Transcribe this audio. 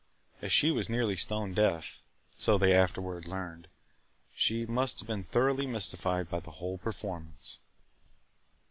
As she was nearly stone deaf (so they afterward learned) she must have been thoroughly mystified by the whole performance!